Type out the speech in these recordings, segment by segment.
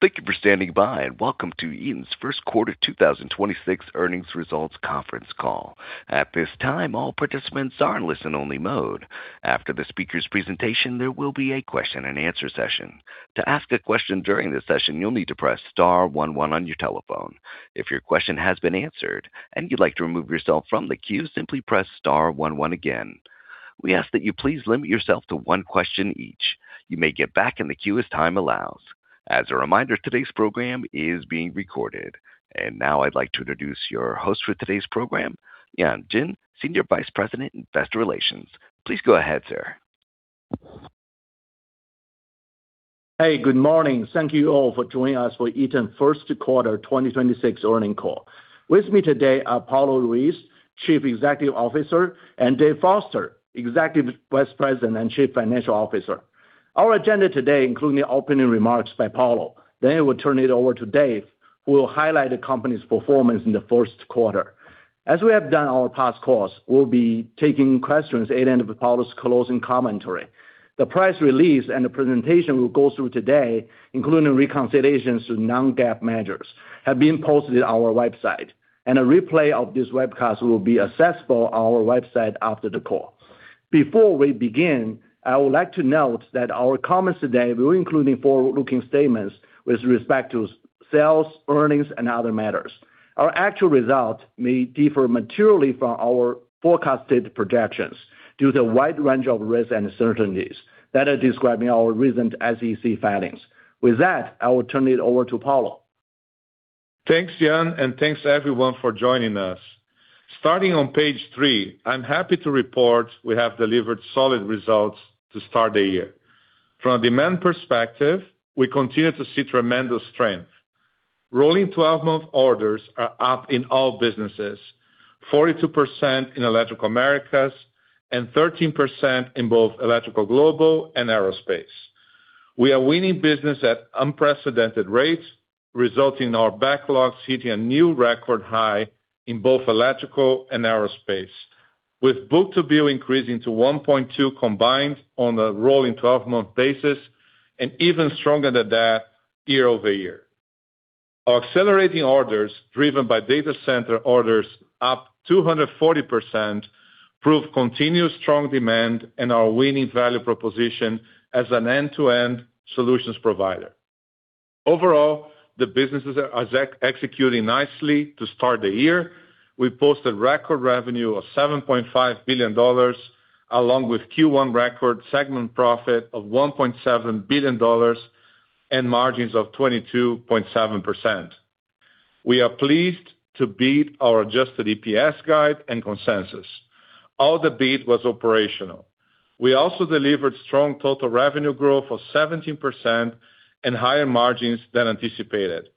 Thank you for standing by, and welcome to Eaton's first quarter 2026 earnings results conference call. At this time, all participants are in listen-only mode. After the speaker's presentation, there will be a question-and-answer session. To ask a question during this session, you'll need to press star one one on your telephone. If your question has been answered and you'd like to remove yourself from the queue, simply press star one one again. We ask that you please limit yourself to one question each. You may get back in the queue as time allows. As a reminder, today's program is being recorded. Now I'd like to introduce your host for today's program, Yan Jin, Senior Vice President, Investor Relations. Please go ahead, sir. Hey, good morning. Thank you all for joining us for Eaton first quarter 2026 earnings call. With me today are Paulo Ruiz, Chief Executive Officer, and Dave Foster, Executive Vice President and Chief Financial Officer. Our agenda today including opening remarks by Paulo, then we'll turn it over to Dave, who will highlight the company's performance in the first quarter. As we have done on our past calls, we'll be taking questions at the end of Paulo's closing commentary. The press release and the presentation we'll go through today, including reconciliations to non-GAAP measures, have been posted on our website. A replay of this webcast will be accessible on our website after the call. Before we begin, I would like to note that our comments today will include forward-looking statements with respect to sales, earnings, and other matters. Our actual results may differ materially from our forecasted projections due to a wide range of risks and uncertainties that are described in our recent SEC filings. With that, I will turn it over to Paulo. Thanks, Yan, and thanks everyone for joining us. Starting on page three, I'm happy to report we have delivered solid results to start the year. From a demand perspective, we continue to see tremendous strength. Rolling 12-month orders are up in all businesses, 42% in Electrical Americas and 13% in both Electrical Global and Aerospace. We are winning business at unprecedented rates, resulting in our backlogs hitting a new record high in both Electrical and Aerospace, with book-to-bill increasing to 1.2 combined on a rolling 12-month basis and even stronger than that year-over-year. Our accelerating orders, driven by data center orders up 240%, prove continued strong demand and our winning value proposition as an end-to-end solutions provider. Overall, the businesses are executing nicely to start the year. We posted record revenue of $7.5 billion, along with Q1 record segment profit of $1.7 billion and margins of 22.7%. We are pleased to beat our adjusted EPS guide and consensus. All the beat was operational. We delivered strong total revenue growth of 17% and higher margins than anticipated.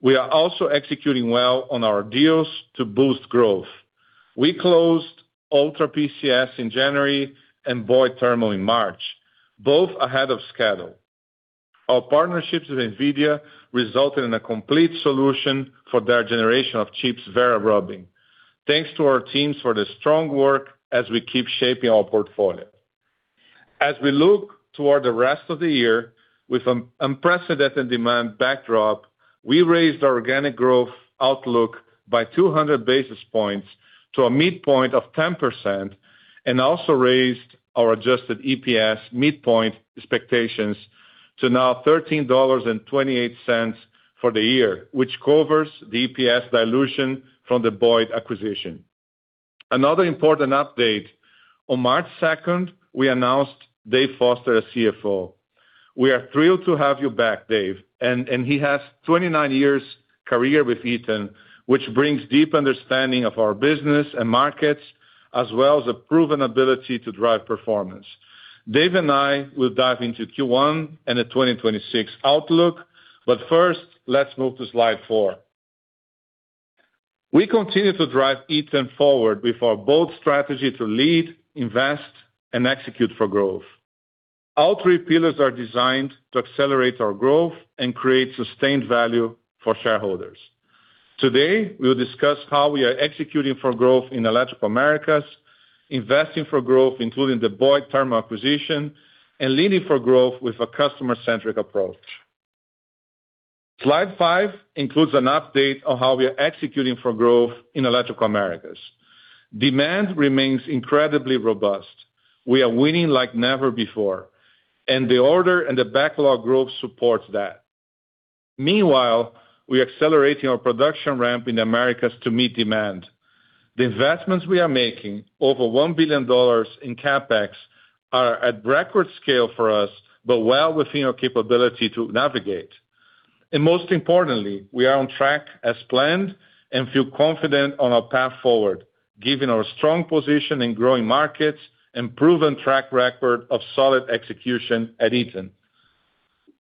We are executing well on our deals to boost growth. We closed Ultra PCS in January and Boyd Thermal in March, both ahead of schedule. Our partnerships with NVIDIA resulted in a complete solution for their generation of chips, Vera Rubin. Thanks to our teams for the strong work as we keep shaping our portfolio. As we look toward the rest of the year with an unprecedented demand backdrop, we raised our organic growth outlook by 200 basis points to a midpoint of 10% and also raised our adjusted EPS midpoint expectations to now $13.28 for the year, which covers the EPS dilution from the Boyd acquisition. Another important update, on March 2nd, we announced Dave Foster as CFO. We are thrilled to have you back, Dave, and he has 29 years career with Eaton, which brings deep understanding of our business and markets, as well as a proven ability to drive performance. Dave and I will dive into Q1 and the 2026 outlook. First, let's move to slide four. We continue to drive Eaton forward with our bold strategy to lead, invest, and execute for growth. All three pillars are designed to accelerate our growth and create sustained value for shareholders. Today, we'll discuss how we are executing for growth in Electrical Americas, investing for growth, including the Boyd Thermal acquisition, and leading for growth with a customer-centric approach. Slide five includes an update on how we are executing for growth in Electrical Americas. Demand remains incredibly robust. We are winning like never before, and the order and the backlog growth supports that. Meanwhile, we're accelerating our production ramp in the Americas to meet demand. The investments we are making, over $1 billion in CapEx, are at record scale for us, but well within our capability to navigate. Most importantly, we are on track as planned and feel confident on our path forward, given our strong position in growing markets and proven track record of solid execution at Eaton.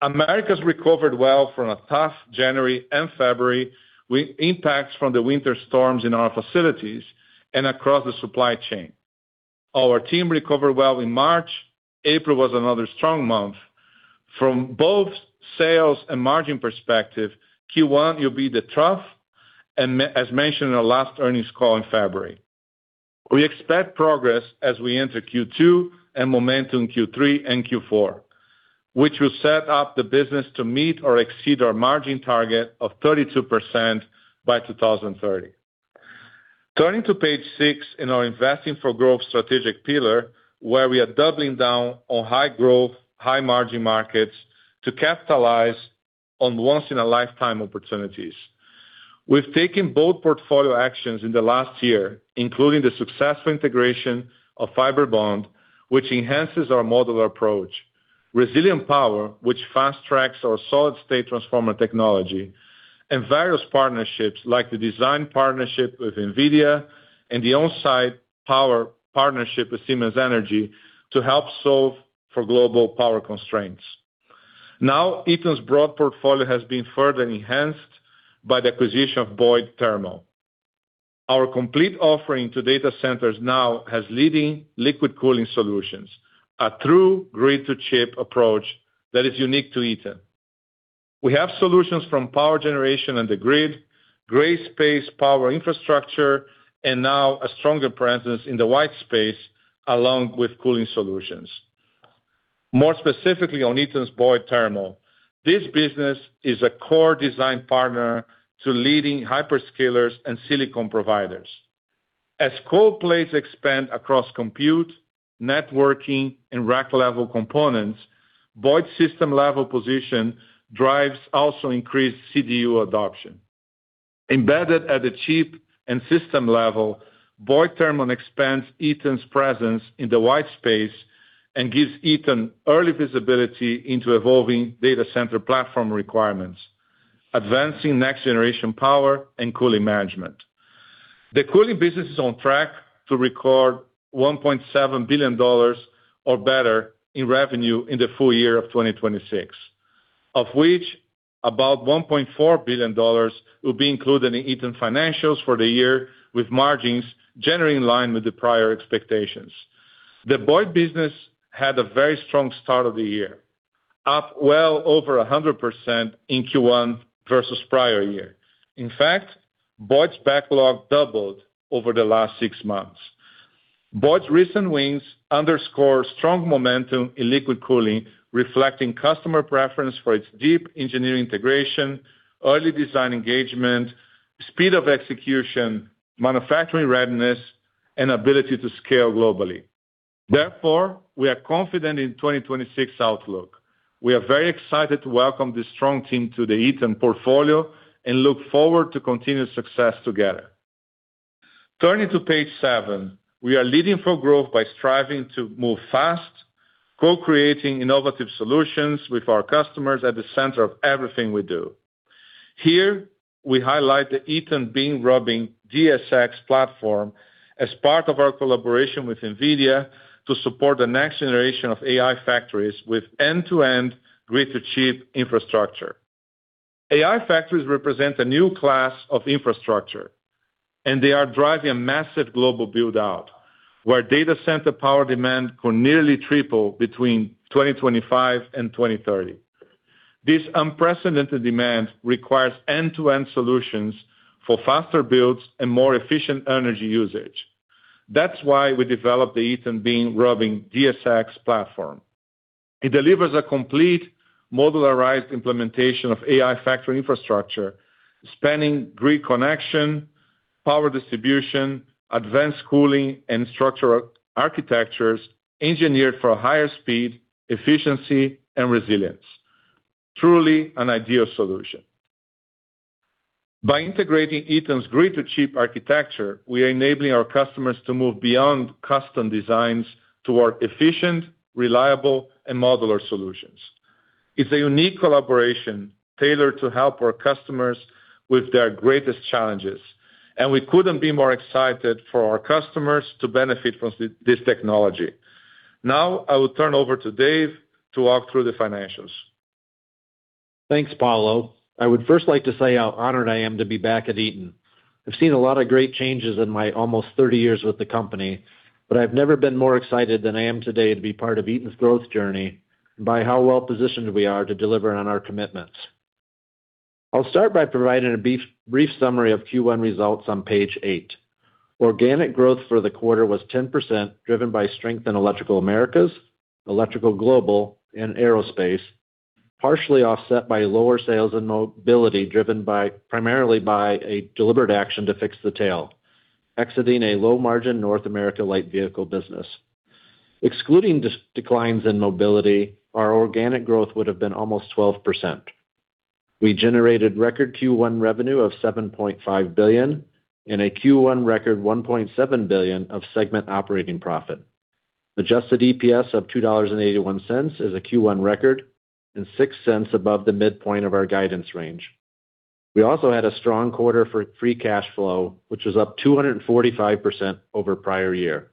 Americas recovered well from a tough January and February with impacts from the winter storms in our facilities and across the supply chain. Our team recovered well in March. April was another strong month. From both sales and margin perspective, Q1 will be the trough as mentioned in our last earnings call in February. We expect progress as we enter Q2 and momentum Q3 and Q4, which will set up the business to meet or exceed our margin target of 32% by 2030. Turning to page six in our investing for growth strategic pillar, where we are doubling down on high growth, high margin markets to capitalize on once in a lifetime opportunities. We've taken bold portfolio actions in the last one year, including the successful integration of Fibrebond, which enhances our modular approach, Resilient Power, which fast tracks our solid-state transformer technology, and various partnerships like the design partnership with NVIDIA and the on-site power partnership with Siemens Energy to help solve for global power constraints. Now, Eaton's broad portfolio has been further enhanced by the acquisition of Boyd Thermal. Our complete offering to data centers now has leading liquid cooling solutions, a true grid-to-chip approach that is unique to Eaton. We have solutions from power generation and the grid, gray space power infrastructure, and now a stronger presence in the white space along with cooling solutions. More specifically on Eaton's Boyd Thermal, this business is a core design partner to leading hyperscalers and silicon providers. As cold plates expand across compute, networking, and rack-level components, Boyd system-level position drives also increased CDU adoption. Embedded at the chip and system level, Boyd Thermal expands Eaton's presence in the white space and gives Eaton early visibility into evolving data center platform requirements, advancing next-generation power and cooling management. The cooling business is on track to record $1.7 billion or better in revenue in the full year of 2026, of which about $1.4 billion will be included in Eaton financials for the year, with margins generally in line with the prior expectations. The Boyd business had a very strong start of the year, up well over 100% in Q1 versus prior year. In fact, Boyd's backlog doubled over the last six months. Boyd's recent wins underscore strong momentum in liquid cooling, reflecting customer preference for its deep engineering integration, early design engagement, speed of execution, manufacturing readiness, and ability to scale globally. We are confident in 2026 outlook. We are very excited to welcome this strong team to the Eaton portfolio and look forward to continued success together. Turning to page seven, we are leading for growth by striving to move fast, co-creating innovative solutions with our customers at the center of everything we do. Here, we highlight the Eaton Beam Rubin DSX platform as part of our collaboration with NVIDIA to support the next generation of AI factories with end-to-end grid-to-chip infrastructure. AI factories represent a new class of infrastructure, and they are driving a massive global build-out, where data center power demand could nearly triple between 2025 and 2030. This unprecedented demand requires end-to-end solutions for faster builds and more efficient energy usage. That's why we developed the Eaton Beam Rubin DSX platform. It delivers a complete modularized implementation of AI factory infrastructure, spanning grid connection, power distribution, advanced cooling, and structural architectures engineered for higher speed, efficiency, and resilience. Truly an ideal solution. By integrating Eaton's grid-to-chip architecture, we are enabling our customers to move beyond custom designs toward efficient, reliable, and modular solutions. It's a unique collaboration tailored to help our customers with their greatest challenges, and we couldn't be more excited for our customers to benefit from this technology. Now, I will turn over to Dave to walk through the financials. Thanks, Paulo Ruiz. I would first like to say how honored I am to be back at Eaton. I've seen a lot of great changes in my almost 30 years with the company, but I've never been more excited than I am today to be part of Eaton's growth journey by how well-positioned we are to deliver on our commitments. I'll start by providing a brief summary of Q1 results on page eight. Organic growth for the quarter was 10%, driven by strength in Electrical Americas, Electrical Global and Aerospace, partially offset by lower sales and eMobility, primarily by a deliberate action to fix the tail, exiting a low-margin North America light vehicle business. Excluding declines in eMobility, our organic growth would have been almost 12%. We generated record Q1 revenue of $7.5 billion and a Q1 record $1.7 billion of segment operating profit. Adjusted EPS of $2.81 is a Q1 record and $0.06 above the midpoint of our guidance range. We also had a strong quarter for free cash flow, which was up 245% over prior year.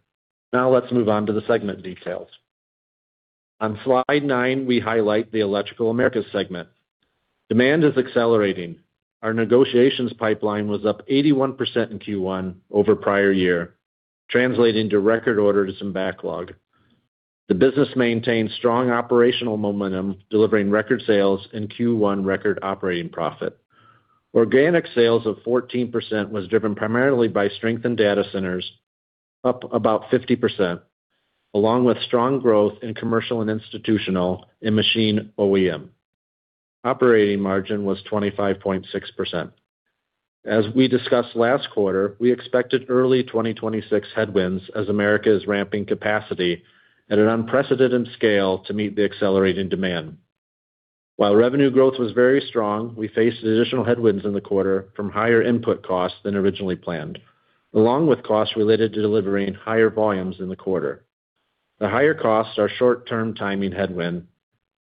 Let's move on to the segment details. On slide nine, we highlight the Electrical Americas segment. Demand is accelerating. Our negotiations pipeline was up 81% in Q1 over prior year, translating to record orders and backlog. The business maintains strong operational momentum, delivering record sales in Q1 record operating profit. Organic sales of 14% was driven primarily by strength in data centers, up about 50%, along with strong growth in commercial and institutional and machine OEM. Operating margin was 25.6%. As we discussed last quarter, we expected early 2026 headwinds as Electrical Americas is ramping capacity at an unprecedented scale to meet the accelerating demand. While revenue growth was very strong, we faced additional headwinds in the quarter from higher input costs than originally planned, along with costs related to delivering higher volumes in the quarter. The higher costs are short-term timing headwind,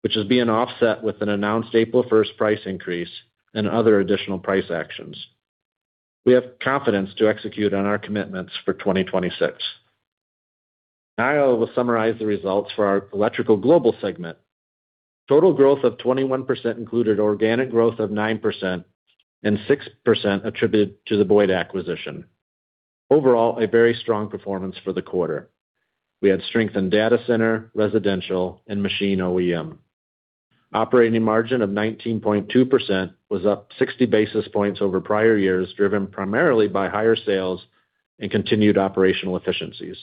which is being offset with an announced April 1st price increase and other additional price actions. We have confidence to execute on our commitments for 2026. Now I will summarize the results for our Electrical Global segment. Total growth of 21% included organic growth of 9% and 6% attributed to the Boyd acquisition. Overall, a very strong performance for the quarter. We had strength in data center, residential, and machine OEM. Operating margin of 19.2% was up 60 basis points over prior years, driven primarily by higher sales and continued operational efficiencies.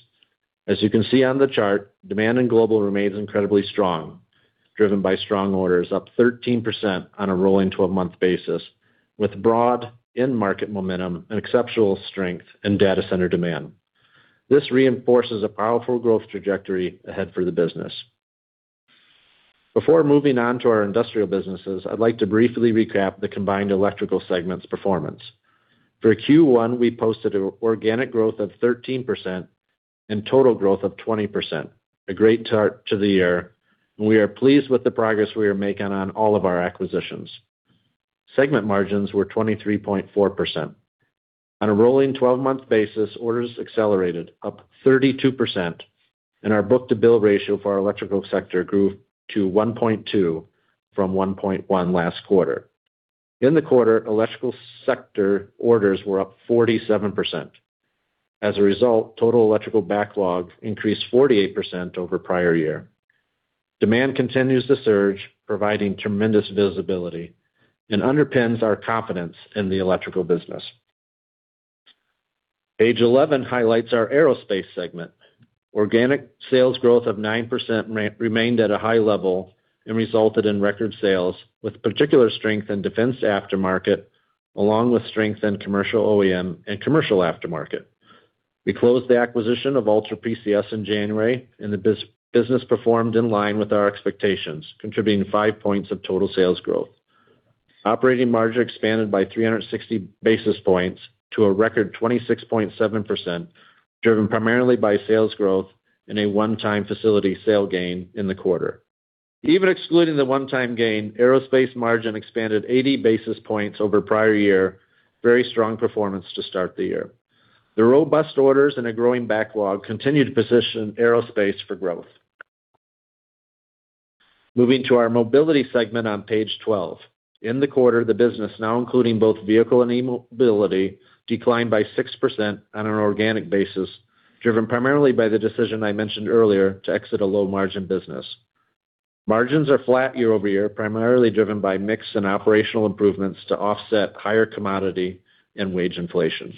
As you can see on the chart, demand in global remains incredibly strong, driven by strong orders up 13% on a rolling 12-month basis, with broad end market momentum and exceptional strength in data center demand. This reinforces a powerful growth trajectory ahead for the business. Before moving on to our industrial businesses, I'd like to briefly recap the combined Electrical segment's performance. For Q1, we posted organic growth of 13% and total growth of 20%. A great start to the year, and we are pleased with the progress we are making on all of our acquisitions. Segment margins were 23.4%. On a rolling 12-month basis, orders accelerated up 32%, and our book-to-bill ratio for our Electrical Sector grew to 1.2 from 1.1 last quarter. In the quarter, Electrical Sector orders were up 47%. As a result, total electrical backlog increased 48% over prior year. Demand continues to surge, providing tremendous visibility and underpins our confidence in the electrical business. Page 11 highlights our Aerospace segment. Organic sales growth of 9% remained at a high level and resulted in record sales with particular strength in defense aftermarket along with strength in commercial OEM and commercial aftermarket. We closed the acquisition of Ultra PCS in January, and the business performed in line with our expectations, contributing 5 points of total sales growth. Operating margin expanded by 360 basis points to a record 26.7%, driven primarily by sales growth and a one-time facility sale gain in the quarter. Even excluding the one-time gain, Aerospace margin expanded 80 basis points over prior year. Very strong performance to start the year. The robust orders and a growing backlog continue to position Aerospace for growth. Moving to our mobility segment on page 12. In the quarter, the business, now including both vehicle and eMobility, declined by 6% on an organic basis, driven primarily by the decision I mentioned earlier to exit a low-margin business. Margins are flat year-over-year, primarily driven by mix and operational improvements to offset higher commodity and wage inflation.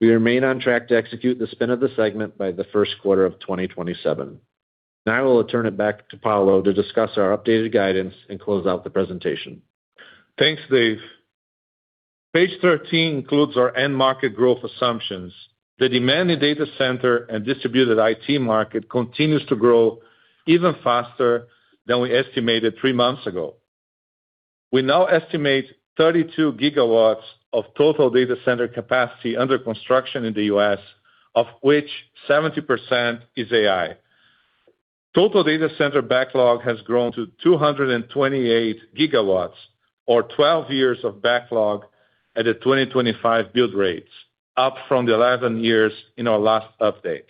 We remain on track to execute the spin of the segment by the first quarter of 2027. Now I will turn it back to Paulo to discuss our updated guidance and close out the presentation. Thanks, Dave. Page 13 includes our end market growth assumptions. The demand in data center and Distributed IT market continues to grow even faster than we estimated three months ago. We now estimate 32 GW of total data center capacity under construction in the U.S., of which 70% is AI. Total data center backlog has grown to 228 GW or 12 years of backlog at the 2025 build rates, up from the 11 years in our last update.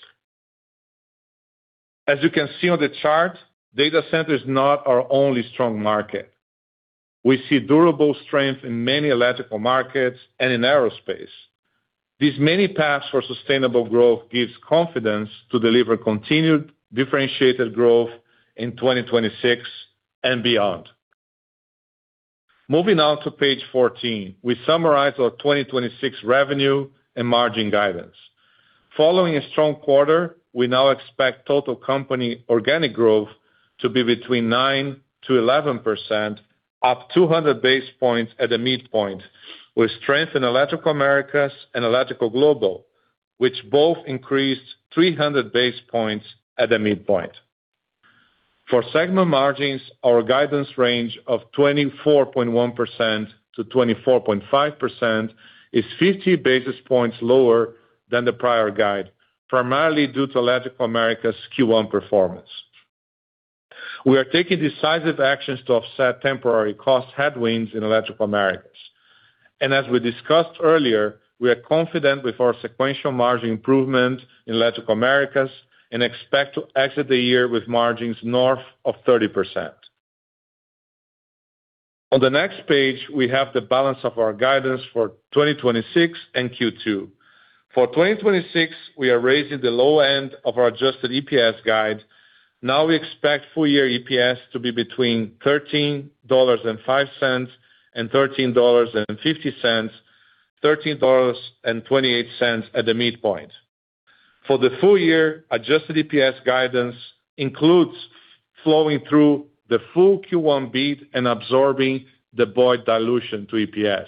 As you can see on the chart, data center is not our only strong market. We see durable strength in many electrical markets and in Aerospace. These many paths for sustainable growth gives confidence to deliver continued differentiated growth in 2026 and beyond. Moving now to page 14, we summarize our 2026 revenue and margin guidance. Following a strong quarter, we now expect total company organic growth to be between 9%-11%, up 200 basis points at the midpoint, with strength in Electrical Americas and Electrical Global, which both increased 300 basis points at the midpoint. For segment margins, our guidance range of 24.1%-24.5% is 50 basis points lower than the prior guide, primarily due to Electrical Americas' Q1 performance. We are taking decisive actions to offset temporary cost headwinds in Electrical Americas. As we discussed earlier, we are confident with our sequential margin improvement in Electrical Americas and expect to exit the year with margins north of 30%. On the next page, we have the balance of our guidance for 2026 and Q2. For 2026, we are raising the low end of our adjusted EPS guide. We expect full year EPS to be between $13.05 and $13.50, $13.28 at the midpoint. For the full year, adjusted EPS guidance includes flowing through the full Q1 beat and absorbing the Boyd dilution to EPS.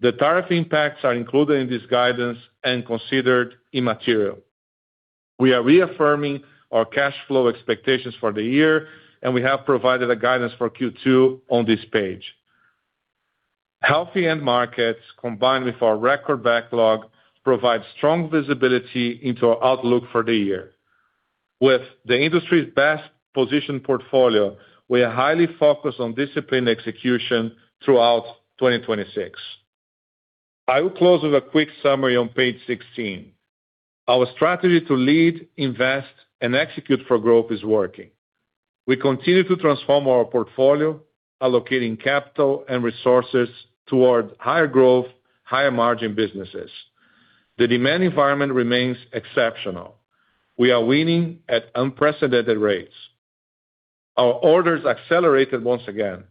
The tariff impacts are included in this guidance and considered immaterial. We are reaffirming our cash flow expectations for the year, and we have provided a guidance for Q2 on this page. Healthy end markets, combined with our record backlog, provide strong visibility into our outlook for the year. With the industry's best position portfolio, we are highly focused on disciplined execution throughout 2026. I will close with a quick summary on page 16. Our strategy to lead, invest, and execute for growth is working. We continue to transform our portfolio, allocating capital and resources towards higher growth, higher margin businesses. The demand environment remains exceptional. We are winning at unprecedented rates. Our orders accelerated once again,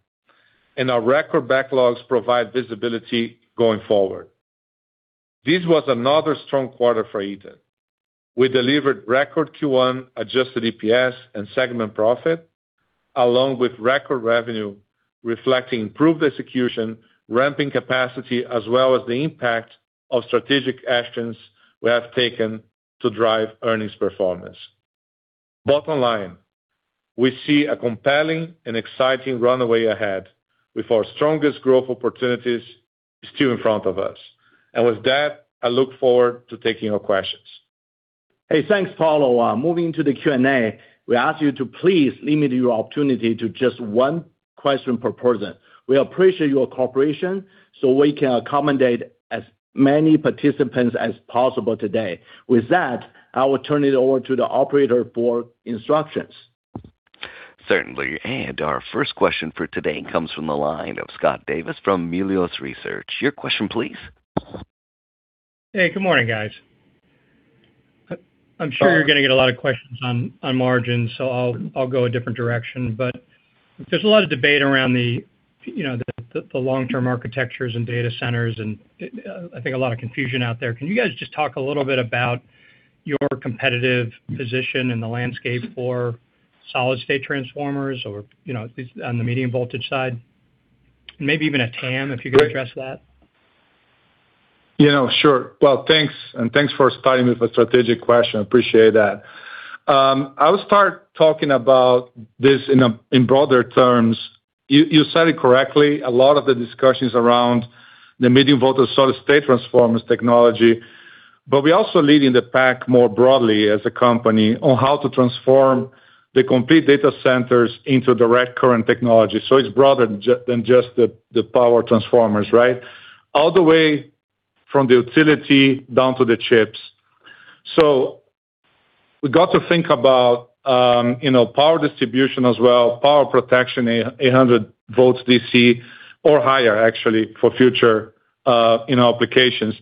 and our record backlogs provide visibility going forward. This was another strong quarter for Eaton. We delivered record Q1 adjusted EPS and segment profit, along with record revenue reflecting improved execution, ramping capacity, as well as the impact of strategic actions we have taken to drive earnings performance. Bottom line, we see a compelling and exciting runway ahead with our strongest growth opportunities still in front of us. With that, I look forward to taking your questions. Hey, thanks, Paulo. Moving to the Q&A, we ask you to please limit your opportunity to just one question per person. We appreciate your cooperation so we can accommodate as many participants as possible today. With that, I will turn it over to the operator for instructions. Certainly. Our first question for today comes from the line of Scott Davis from Melius Research. Your question, please. Hey, good morning, guys. I'm sure you're gonna get a lot of questions on margins, so I'll go a different direction. There's a lot of debate around you know, the long-term architectures and data centers, and I think a lot of confusion out there. Can you guys just talk a little bit about your competitive position in the landscape for solid-state transformers or, you know, at least on the medium voltage side? Maybe even a TAM, if you could address that. Yeah, sure. Well, thanks, and thanks for starting with a strategic question. Appreciate that. I will start talking about this in broader terms. You said it correctly, a lot of the discussions around the medium voltage solid-state transformers technology, but we also lead in the pack more broadly as a company on how to transform the complete data centers into direct current technology. It's broader than just the power transformers, right? All the way from the utility down to the chips. We got to think about, you know, power distribution as well, power protection, 800V DC or higher, actually, for future, you know, applications.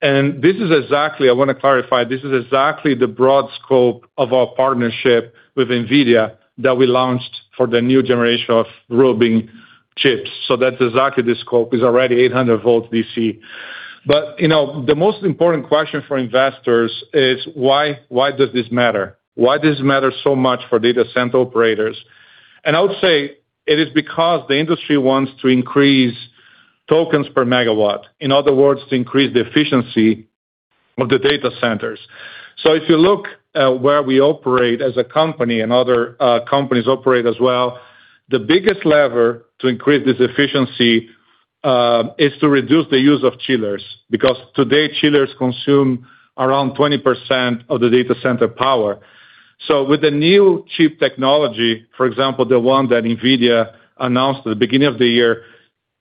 This is exactly, I wanna clarify, this is exactly the broad scope of our partnership with NVIDIA that we launched for the new generation of Rubin chips. That's exactly the scope, is already 800V DC. You know, the most important question for investors is why does this matter? Why does it matter so much for data center operators? I would say it is because the industry wants to increase tokens per megawatt. In other words, to increase the efficiency of the data centers. If you look at where we operate as a company and other companies operate as well, the biggest lever to increase this efficiency is to reduce the use of chillers, because today, chillers consume around 20% of the data center power. With the new chip technology, for example, the one that NVIDIA announced at the beginning of the year,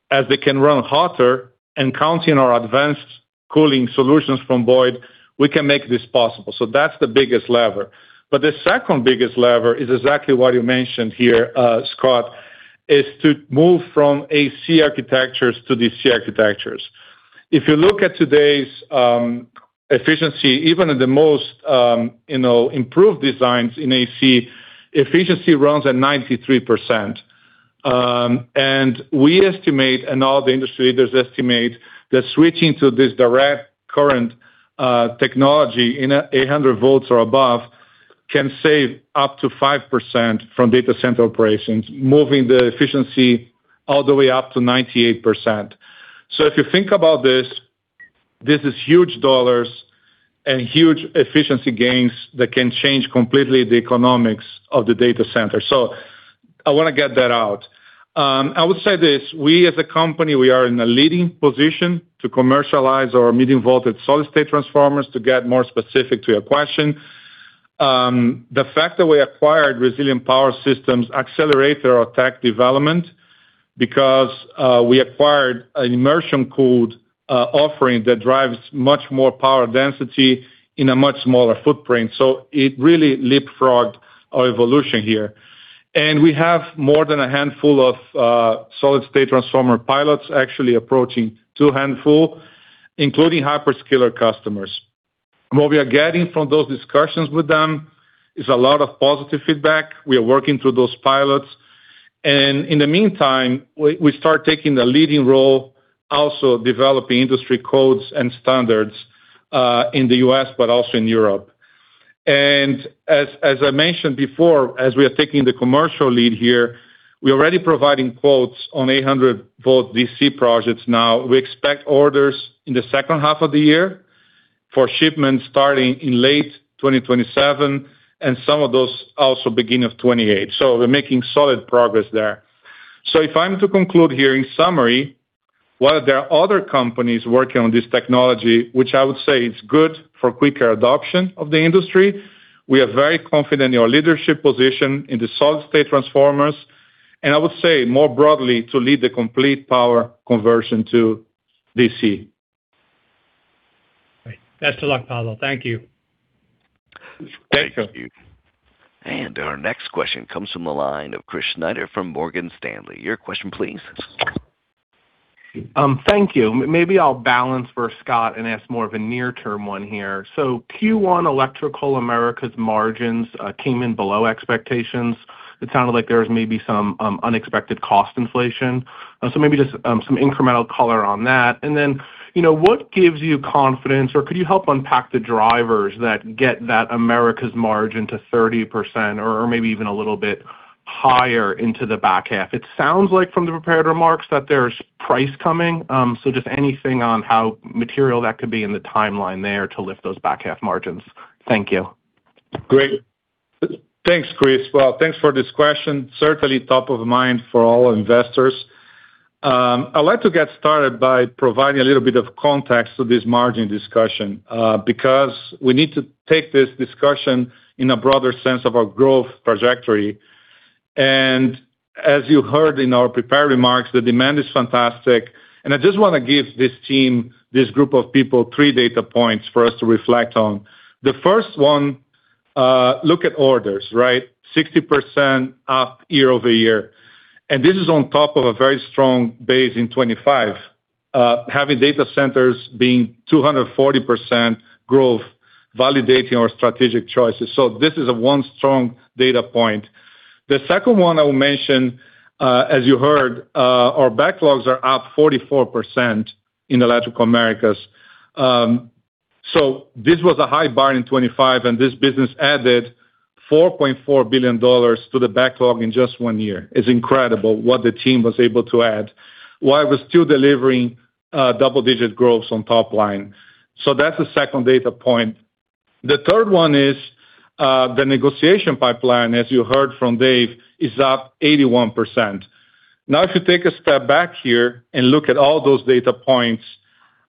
as they can run hotter and counting our advanced cooling solutions from Boyd, we can make this possible. That's the biggest lever. The second biggest lever is exactly what you mentioned here, Scott, is to move from AC architectures to DC architectures. If you look at today's efficiency, even in the most, you know, improved designs in AC, efficiency runs at 93%. We estimate, and all the industry leaders estimate, that switching to this direct current technology in a 800V or above can save up to 5% from data center operations, moving the efficiency all the way up to 98%. If you think about this is huge dollars and huge efficiency gains that can change completely the economics of the data center. I wanna get that out. I would say this, we as a company, we are in a leading position to commercialize our medium voltage solid-state transformers to get more specific to your question. The fact that we acquired Resilient Power Systems accelerated our tech development. We acquired an immersion-cooled offering that drives much more power density in a much smaller footprint, so it really leapfrogged our evolution here. We have more than a handful of solid-state transformer pilots actually approaching two handful, including hyperscaler customers. What we are getting from those discussions with them is a lot of positive feedback. We are working through those pilots. In the meantime, we start taking the leading role, also developing industry codes and standards in the U.S., but also in Europe. As I mentioned before, as we are taking the commercial lead here, we're already providing quotes on 800V DC projects now. We expect orders in the second half of the year for shipments starting in late 2027, and some of those also beginning of 2028. We're making solid progress there. If I'm to conclude here, in summary, while there are other companies working on this technology, which I would say is good for quicker adoption of the industry, we are very confident in our leadership position in the solid-state transformers, and I would say more broadly to lead the complete power conversion to DC. Great. Best of luck, Paulo. Thank you. Thank you. Our next question comes from the line of Chris Snyder from Morgan Stanley. Your question please. Thank you. Maybe I'll balance for Scott and ask more of a near-term one here. Q1 Electrical Americas margins came in below expectations. It sounded like there was maybe some unexpected cost inflation. Maybe just some incremental color on that. You know, what gives you confidence, or could you help unpack the drivers that get that Americas margin to 30% or maybe even a little bit higher into the back half? It sounds like from the prepared remarks that there's price coming. Just anything on how material that could be in the timeline there to lift those back half margins. Thank you. Great. Thanks, Chris. Well, thanks for this question. Certainly top of mind for all investors. I'd like to get started by providing a little bit of context to this margin discussion because we need to take this discussion in a broader sense of our growth trajectory. As you heard in our prepared remarks, the demand is fantastic. I just wanna give this team, this group of people, three data points for us to reflect on. The first one, look at orders, right? 60% up year-over-year. This is on top of a very strong base in 2025, having data centers being 240% growth validating our strategic choices. This is a one strong data point. The second one I will mention, as you heard, our backlogs are up 44% in Electrical Americas. This was a high bar in 2025, and this business added $4.4 billion to the backlog in just one year. It's incredible what the team was able to add, while we're still delivering double-digit growths on top line. That's the second data point. The third one is the negotiation pipeline, as you heard from Dave, is up 81%. If you take a step back here and look at all those data points,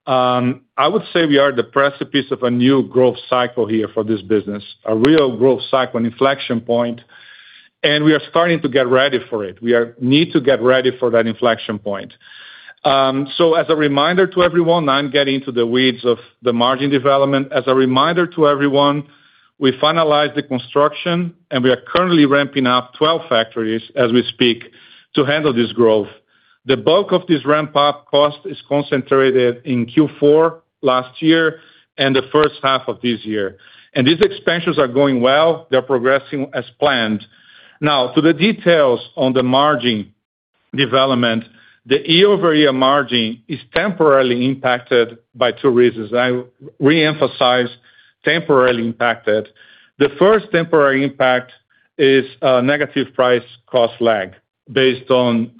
I would say we are at the precipice of a new growth cycle here for this business, a real growth cycle, an inflection point, and we are starting to get ready for it. We need to get ready for that inflection point. As a reminder to everyone, I'm getting into the weeds of the margin development. As a reminder to everyone, we finalized the construction, and we are currently ramping up 12 factories as we speak to handle this growth. The bulk of this ramp-up cost is concentrated in Q4 last year and the first half of this year. These expansions are going well. They're progressing as planned. Now, to the details on the margin development, the year-over-year margin is temporarily impacted by two reasons. I reemphasize temporarily impacted. The first temporary impact is a negative price cost lag based on,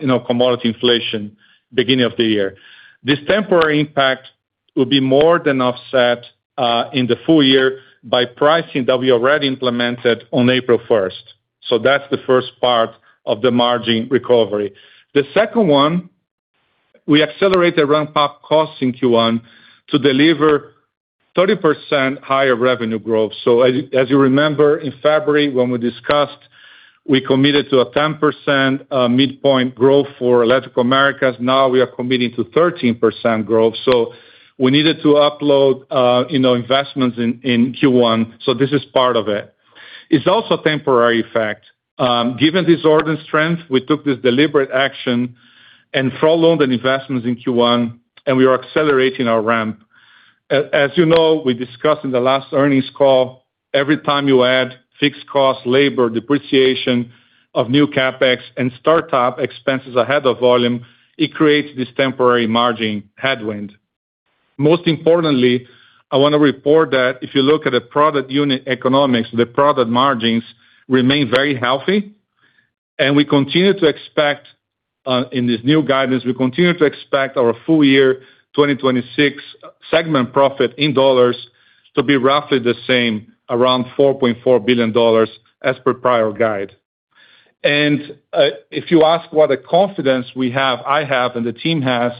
you know, commodity inflation beginning of the year. This temporary impact will be more than offset in the full year by pricing that we already implemented on April 1st. That's the 1st part of the margin recovery. The second one, we accelerated ramp-up costs in Q1 to deliver 30% higher revenue growth. As you remember, in February, when we discussed, we committed to a 10% midpoint growth for Electrical Americas. Now we are committing to 13% growth. We needed to upload, you know, investments in Q1, so this is part of it. It's also a temporary effect. Given this order strength, we took this deliberate action and front-loaded investments in Q1, and we are accelerating our ramp. As you know, we discussed in the last earnings call, every time you add fixed cost, labor, depreciation of new CapEx and start up expenses ahead of volume, it creates this temporary margin headwind. Most importantly, I wanna report that if you look at the product unit economics, the product margins remain very healthy, and we continue to expect in this new guidance, we continue to expect our full year 2026 segment profit in dollars to be roughly the same, around $4.4 billion as per prior guide. If you ask what the confidence we have, I have and the team has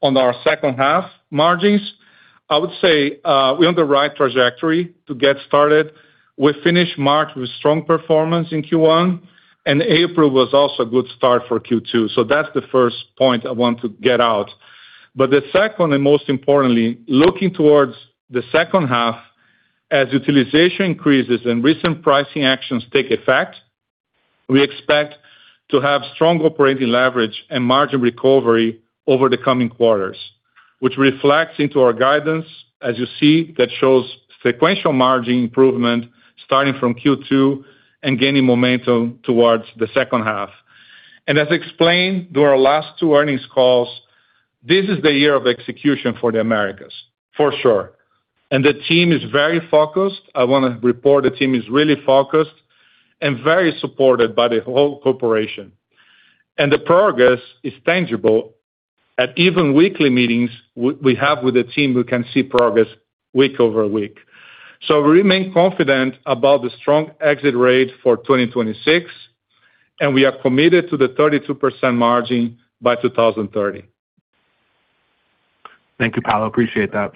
on our second half margins, I would say, we're on the right trajectory to get started. We finished March with strong performance in Q1, April was also a good start for Q2. That's the first point I want to get out. The second, and most importantly, looking towards the second half, as utilization increases and recent pricing actions take effect, we expect to have strong operating leverage and margin recovery over the coming quarters, which reflects into our guidance, as you see, that shows sequential margin improvement starting from Q2 and gaining momentum towards the second half. As explained through our last two earnings calls, this is the year of execution for the Americas, for sure. The team is very focused. I want to report the team is really focused and very supported by the whole corporation. The progress is tangible. At even weekly meetings we have with the team, we can see progress week over week. We remain confident about the strong exit rate for 2026, and we are committed to the 32% margin by 2030. Thank you, Paulo. Appreciate that.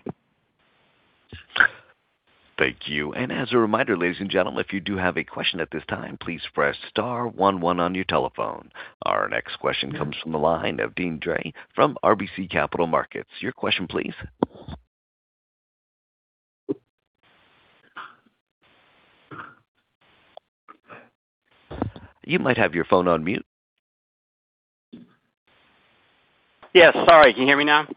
Thank you. As a reminder, ladies and gentlemen, if you do have a question at this time, please press star one one on your telephone. Our next question comes from the line of Deane Dray from RBC Capital Markets. Your question, please. You might have your phone on mute. Yes. Sorry. Can you hear me now?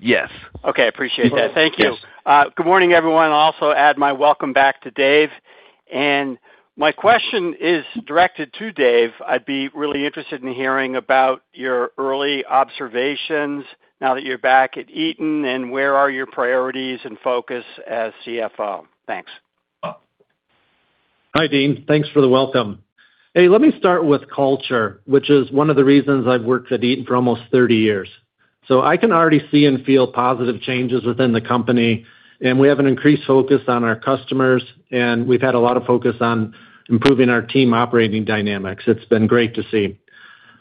Yes. Okay. Appreciate that. Thank you. Yes. Good morning, everyone. I'll also add my welcome back to Dave. My question is directed to Dave. I'd be really interested in hearing about your early observations now that you're back at Eaton, and where are your priorities and focus as CFO. Thanks. Deane. Thanks for the welcome. Let me start with culture, which is one of the reasons I've worked at Eaton for almost 30 years. I can already see and feel positive changes within the company. We have an increased focus on our customers. We've had a lot of focus on improving our team operating dynamics. It's been great to see.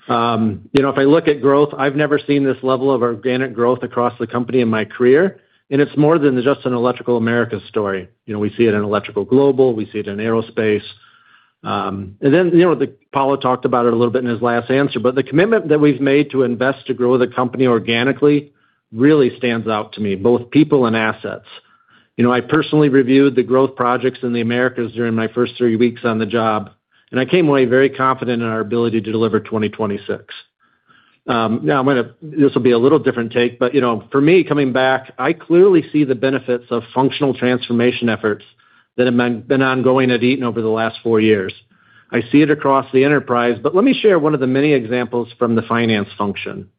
You know, if I look at growth, I've never seen this level of organic growth across the company in my career. It's more than just an Electrical Americas story. You know, we see it in Electrical Global, we see it in Aerospace. Then, you know, Paulo talked about it a little bit in his last answer. The commitment that we've made to invest to grow the company organically really stands out to me, both people and assets. You know, I personally reviewed the growth projects in the Americas during my first three weeks on the job, and I came away very confident in our ability to deliver 2026. Now this will be a little different take, but you know, for me, coming back, I clearly see the benefits of functional transformation efforts that have been ongoing at Eaton over the last four years. I see it across the enterprise, but let me share one of the many examples from the finance function.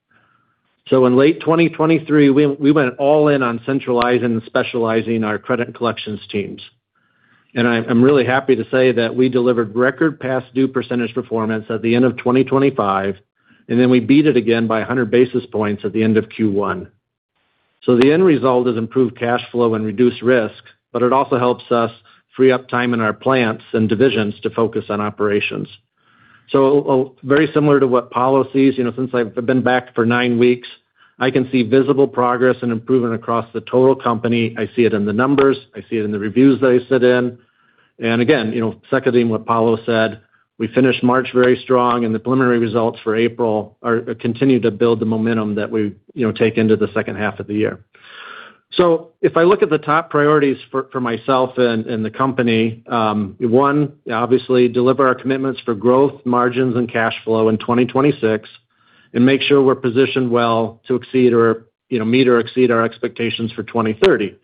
In late 2023, we went all in on centralizing and specializing our credit and collections teams. I'm really happy to say that we delivered record past due percentage performance at the end of 2025, and then we beat it again by 100 basis points at the end of Q1. The end result is improved cash flow and reduced risk, but it also helps us free up time in our plants and divisions to focus on operations. Very similar to what Paulo sees, you know, since I've been back for nine weeks, I can see visible progress and improvement across the total company. I see it in the numbers. I see it in the reviews that I sit in. Again, you know, seconding what Paulo said, we finished March very strong, and the preliminary results for April are, continue to build the momentum that we, you know, take into the second half of the year. If I look at the top priorities for myself and the company, one, obviously deliver our commitments for growth, margins, and cash flow in 2026 and make sure we're positioned well to exceed or meet or exceed our expectations for 2030.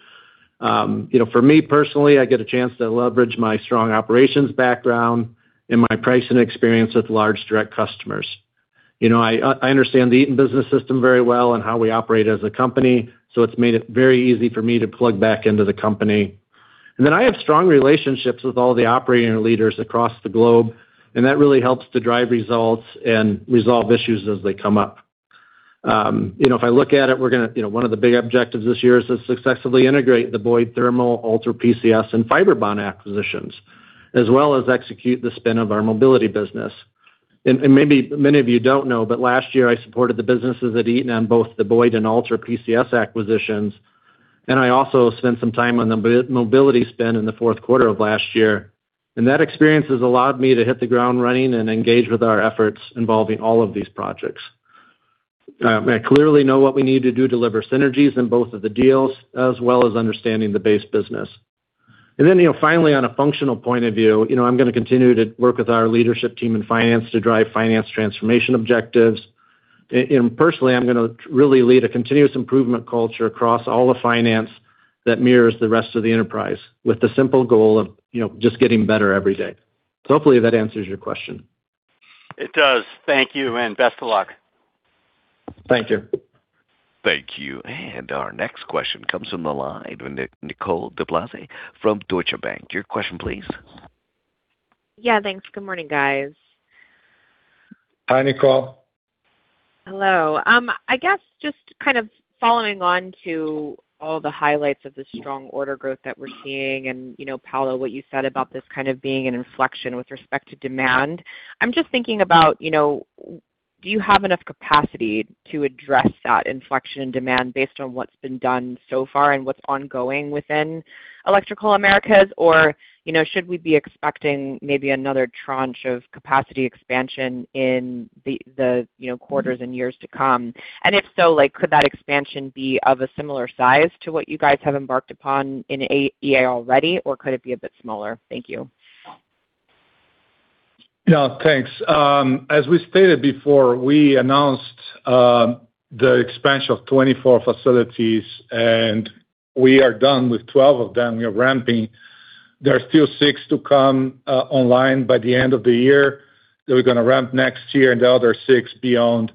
For me personally, I get a chance to leverage my strong operations background and my pricing experience with large direct customers. I understand the Eaton Business System very well and how we operate as a company, so it's made it very easy for me to plug back into the company. I have strong relationships with all the operating leaders across the globe, that really helps to drive results and resolve issues as they come up. You know, if I look at it, You know, one of the big objectives this year is to successfully integrate the Boyd Thermal, Ultra PCS, and Fibrebond acquisitions, as well as execute the spin of our mobility business. Maybe many of you don't know, but last year, I supported the businesses at Eaton on both the Boyd and Ultra PCS acquisitions, and I also spent some time on the mobility spin in the fourth quarter of last year. That experience has allowed me to hit the ground running and engage with our efforts involving all of these projects. I clearly know what we need to do to deliver synergies in both of the deals, as well as understanding the base business. You know, finally, on a functional point of view, you know, I'm gonna continue to work with our leadership team in finance to drive finance transformation objectives. And personally, I'm gonna really lead a continuous improvement culture across all of finance that mirrors the rest of the enterprise with the simple goal of, you know, just getting better every day. Hopefully that answers your question. It does. Thank you, and best of luck. Thank you. Thank you. Our next question comes from the line with Nicole DeBlase from Deutsche Bank. Your question, please. Yeah, thanks. Good morning, guys. Hi, Nicole. Hello. I guess just kind of following on to all the highlights of the strong order growth that we're seeing and, you know, Paulo, what you said about this kind of being an inflection with respect to demand, I'm just thinking about, you know, do you have enough capacity to address that inflection in demand based on what's been done so far and what's ongoing within Electrical Americas? Or, you know, should we be expecting maybe another tranche of capacity expansion in the, you know, quarters and years to come? If so, like, could that expansion be of a similar size to what you guys have embarked upon in EA already? Or could it be a bit smaller? Thank you. Yeah, thanks. As we stated before, we announced the expansion of 24 facilities, and we are done with 12 of them. We are ramping. There are still six to come online by the end of the year, that we're gonna ramp next year, and the other six beyond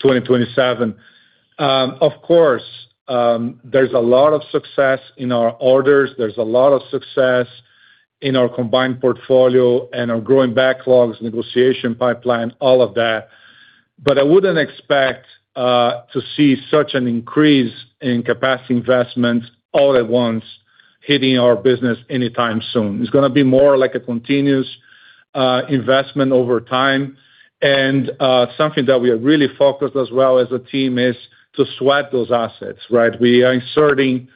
2027. Of course, there's a lot of success in our orders. There's a lot of success in our combined portfolio and our growing backlogs, negotiation pipeline, all of that. I wouldn't expect to see such an increase in capacity investments all at once hitting our business anytime soon. It's gonna be more like a continuous investment over time. Something that we are really focused as well as a team is to sweat those assets, right? We are inserting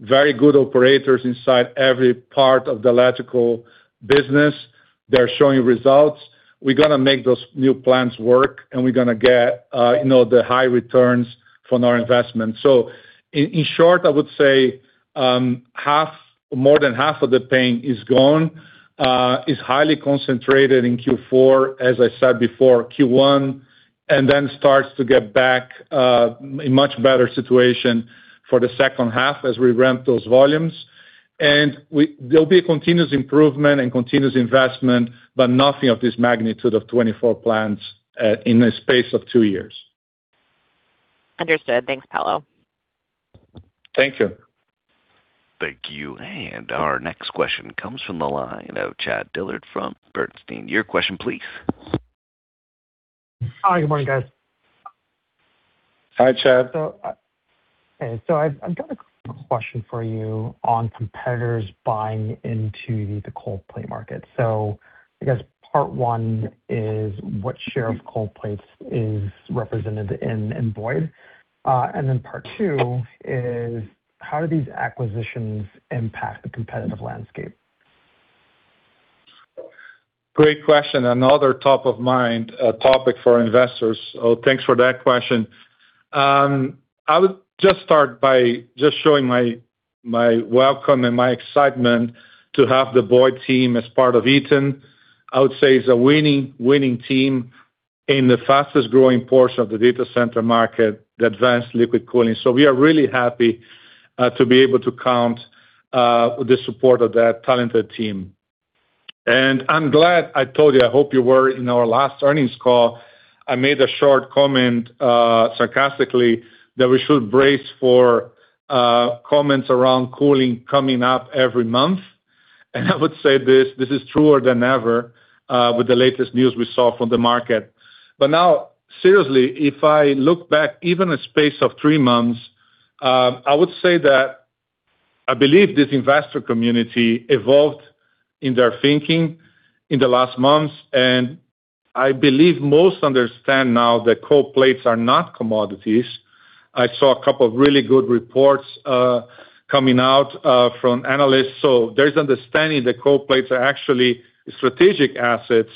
very good operators inside every part of the electrical business. They're showing results. We're gonna make those new plans work, and we're gonna get, you know, the high returns from our investment. In short, I would say, more than half of the pain is gone, is highly concentrated in Q4, as I said before, Q1, and then starts to get back a much better situation for the second half as we ramp those volumes. There'll be a continuous improvement and continuous investment, but nothing of this magnitude of 24 plans in a space of two years. Understood. Thanks, Paulo. Thank you. Thank you. Our next question comes from the line of Chad Dillard from Bernstein. Your question please. Hi. Good morning, guys. Hi, Chad. Okay. I've got a quick question for you on competitors buying into the cold plate market. I guess part 1 is what share of cold plates is represented in Boyd? Part two is how do these acquisitions impact the competitive landscape? Great question. Another top of mind topic for investors. Thanks for that question. I would just start by just showing my welcome and my excitement to have the Boyd team as part of Eaton. I would say it's a winning team in the fastest-growing portion of the data center market, the advanced liquid cooling. We are really happy to be able to count the support of that talented team. I'm glad I told you, I hope you were in our last earnings call. I made a short comment sarcastically, that we should brace for comments around cooling coming up every month. I would say this is truer than ever with the latest news we saw from the market. Now, seriously, if I look back even a space of three months, I would say that I believe this investor community evolved in their thinking in the last months, and I believe most understand now that cold plates are not commodities. I saw a couple of really good reports coming out from analysts. There's understanding that cold plates are actually strategic assets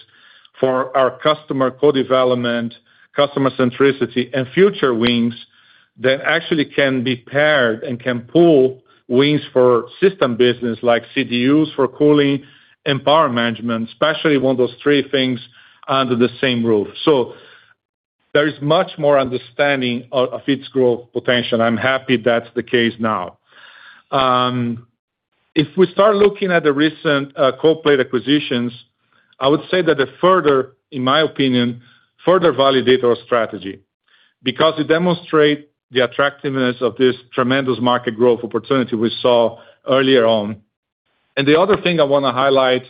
for our customer co-development, customer centricity, and future wings that actually can be paired and can pull wings for system business like CDUs for cooling and power management, especially want those three things under the same roof. There is much more understanding of its growth potential. I'm happy that's the case now. If we start looking at the recent cold plate acquisitions, I would say that they further, in my opinion, further validate our strategy because it demonstrate the attractiveness of this tremendous market growth opportunity we saw earlier on. The other thing I wanna highlight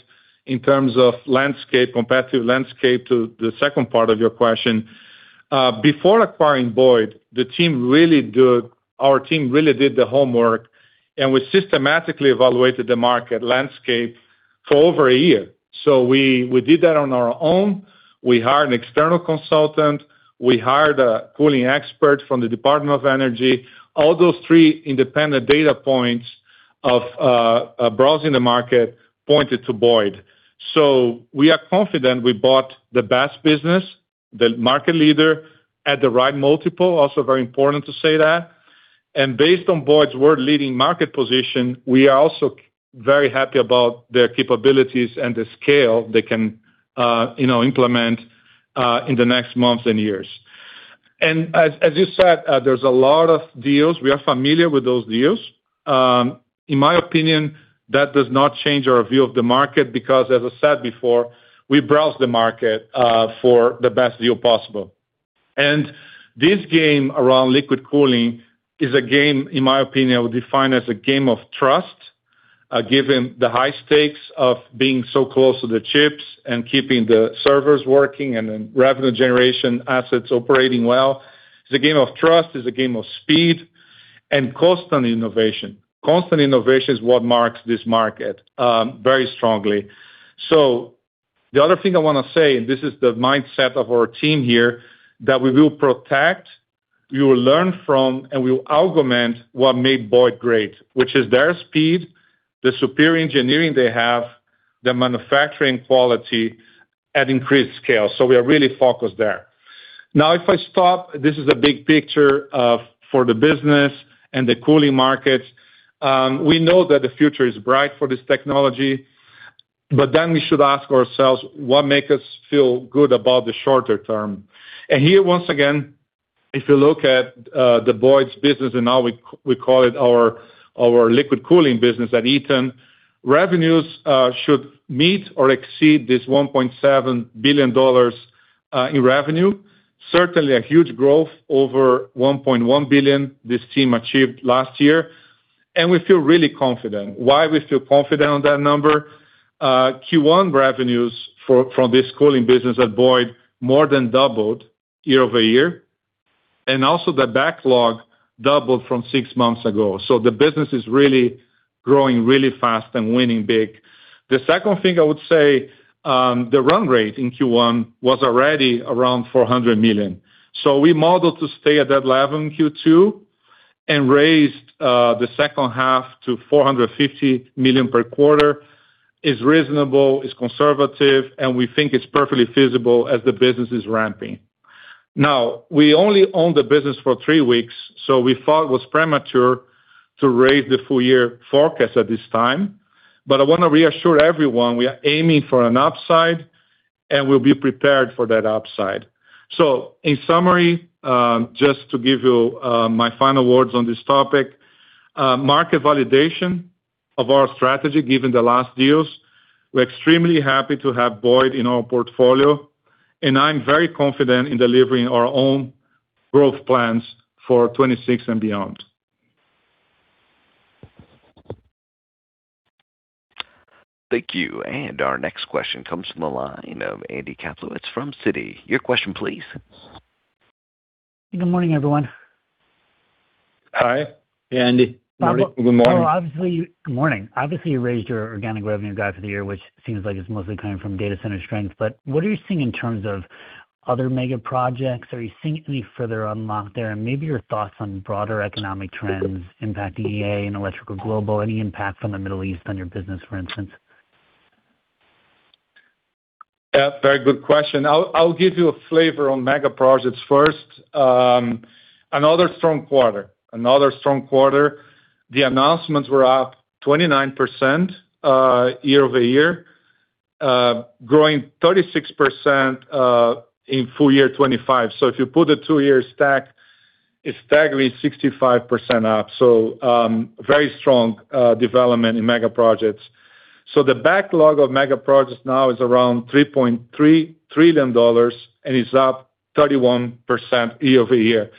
in terms of landscape, competitive landscape to the second part of your question, before acquiring Boyd, our team really did the homework, and we systematically evaluated the market landscape for over one year. We did that on our own. We hired an external consultant. We hired a cooling expert from the Department of Energy. All those three independent data points of browsing the market pointed to Boyd. We are confident we bought the best business, the market leader at the right multiple. Also very important to say that. Based on Boyd's world-leading market position, we are also very happy about their capabilities and the scale they can, you know, implement, in the next months and years. As, as you said, there's a lot of deals. We are familiar with those deals. In my opinion, that does not change our view of the market because, as I said before, we browse the market, for the best deal possible. This game around liquid cooling is a game, in my opinion, I would define as a game of trust, given the high stakes of being so close to the chips and keeping the servers working and then revenue generation assets operating well. It's a game of trust. It's a game of speed. Constant innovation. Constant innovation is what marks this market, very strongly. The other thing I want to say, and this is the mindset of our team here, that we will protect, we will learn from, and we will augment what made Boyd great, which is their speed, the superior engineering they have, the manufacturing quality at increased scale. We are really focused there. If I stop, this is a big picture for the business and the cooling markets. We know that the future is bright for this technology, we should ask ourselves what make us feel good about the shorter term. Here, once again, if you look at the Boyd's business, and now we call it our liquid cooling business at Eaton, revenues should meet or exceed this $1.7 billion in revenue. Certainly a huge growth over $1.1 billion this team achieved last year. We feel really confident. Why we feel confident on that number? Q1 revenues from this cooling business at Boyd more than doubled year-over-year. Also the backlog doubled from six months ago. The business is really growing really fast and winning big. The second thing I would say, the run rate in Q1 was already around $400 million. We modeled to stay at that level in Q2 and raised the second half to $450 million per quarter. It's reasonable, it's conservative, and we think it's perfectly feasible as the business is ramping. We only own the business for three weeks, we thought it was premature to raise the full-year forecast at this time. I wanna reassure everyone we are aiming for an upside, and we'll be prepared for that upside. In summary, just to give you my final words on this topic, market validation of our strategy, given the last deals, we're extremely happy to have Boyd in our portfolio, and I'm very confident in delivering our own growth plans for 2026 and beyond. Thank you. Our next question comes from the line of Andrew Kaplowitz from Citi. Your question please. Good morning, everyone. Hi, Andrew. Good morning. Paulo, obviously Good morning. Obviously, you raised your organic revenue guide for the year, which seems like it's mostly coming from data center strength. What are you seeing in terms of other mega projects? Are you seeing any further unlock there? Maybe your thoughts on broader economic trends impacting EA and Electrical Global. Any impact from the Middle East on your business, for instance? Yeah, very good question. I'll give you a flavor on mega projects first. Another strong quarter. The announcements were up 29% year-over-year, growing 36% in full year 2025. If you put a two-year stack, it's staggeringly 65% up. Very strong development in mega projects. The backlog of mega projects now is around $3.3 trillion and is up 31% year-over-year.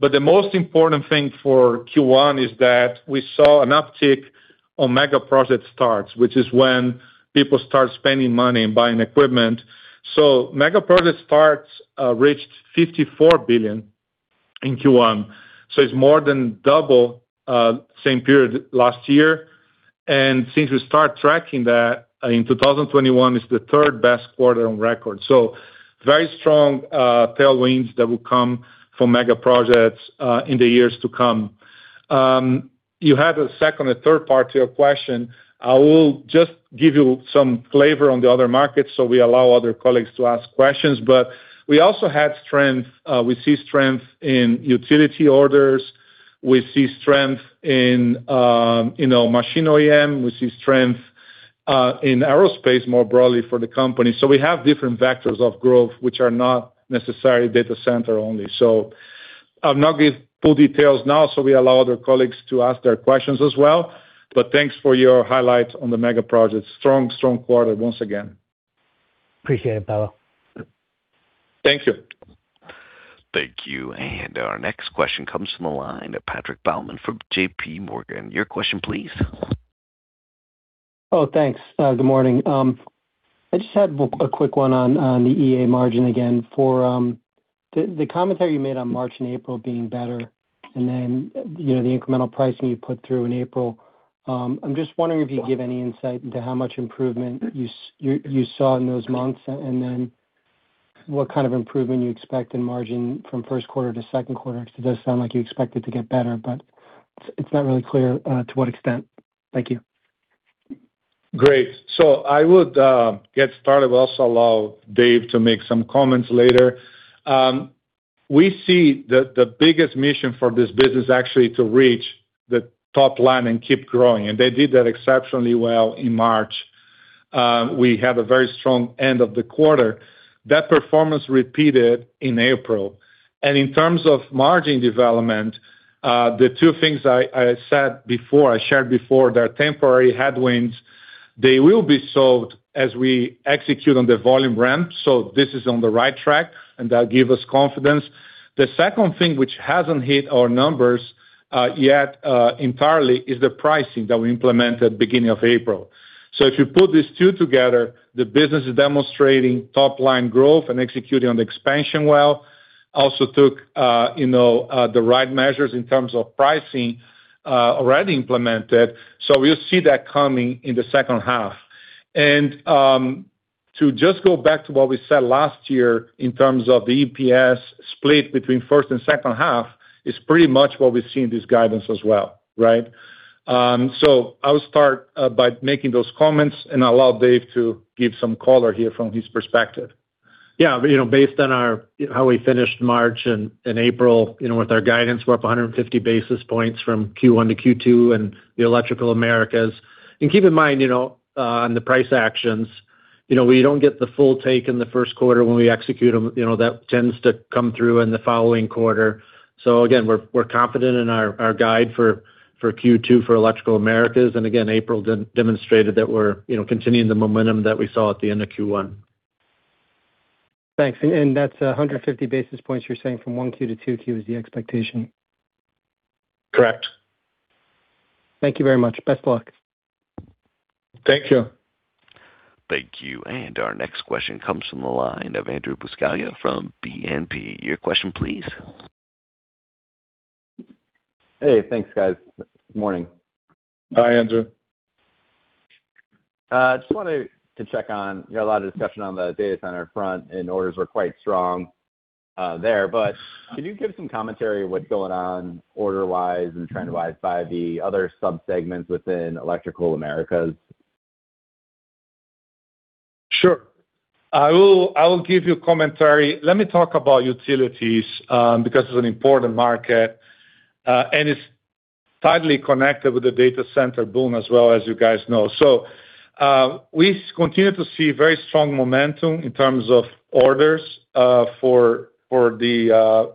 The most important thing for Q1 is that we saw an uptick on mega project starts, which is when people start spending money and buying equipment. Mega project starts reached $54 billion in Q1, so it's more than double same period last year. Since we start tracking that in 2021, it's the third best quarter on record. Very strong tailwinds that will come from mega projects in the years to come. You have a second and third part to your question. I will just give you some flavor on the other markets so we allow other colleagues to ask questions. We also had strength, we see strength in utility orders, we see strength in, you know, machine OEM. We see strength in Aerospace more broadly for the company. We have different vectors of growth which are not necessarily data center only. I'll not give full details now, we allow other colleagues to ask their questions as well. Thanks for your highlights on the mega projects. Strong quarter once again. Appreciate it, Paulo. Thank you. Thank you. Our next question comes from the line of Patrick Baumann from JPMorgan. Your question please. Thanks. Good morning. I just had a quick one on the EA margin again for the commentary you made on March and April being better and then, you know, the incremental pricing you put through in April. I'm just wondering if you give any insight into how much improvement you saw in those months, and then what kind of improvement you expect in margin from first quarter to second quarter. It does sound like you expect it to get better, but it's not really clear to what extent. Thank you. Great. I would get started. We'll also allow Dave to make some comments later. We see the biggest mission for this business actually to reach the top line and keep growing, and they did that exceptionally well in March. We had a very strong end of the quarter. That performance repeated in April. In terms of margin development, the two things I said before, I shared before, they're temporary headwinds. They will be solved as we execute on the volume ramp. This is on the right track, and that give us confidence. The second thing which hasn't hit our numbers yet entirely is the pricing that we implemented beginning of April. If you put these two together, the business is demonstrating top line growth and executing on the expansion well. Also took, you know, the right measures in terms of pricing, already implemented, so we'll see that coming in the second half. To just go back to what we said last year in terms of the EPS split between first and second half, is pretty much what we see in this guidance as well, right? I will start by making those comments, and allow Dave to give some color here from his perspective. Yeah. You know, based on our, how we finished March and April, you know, with our guidance, we're up 150 basis points from Q1 to Q2 in the Electrical Americas. Keep in mind, you know, on the price actions, you know, we don't get the full take in the first quarter when we execute them. You know, that tends to come through in the following quarter. Again, we're confident in our guide for Q2 for Electrical Americas. Again, April demonstrated that we're, you know, continuing the momentum that we saw at the end of Q1. Thanks. That's 150 basis points you're saying from Q1 to Q2 is the expectation? Correct. Thank you very much. Best luck. Thank you. Thank you. Our next question comes from the line of Andrew Buscaglia from BNP. Your question please. Hey, thanks guys. Morning. Hi, Andrew. Just wanted to check on, you know, a lot of discussion on the data center front, and orders were quite strong, there. Could you give some commentary what's going on order-wise and trend-wise by the other sub-segments within Electrical Americas? Sure. I will give you commentary. Let me talk about utilities, because it's an important market, and it's tightly connected with the data center boom as well, as you guys know. We continue to see very strong momentum in terms of orders for the